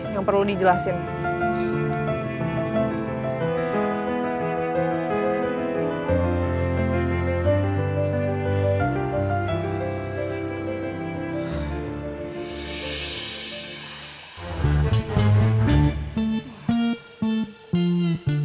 jangan miat aksour an cu influential it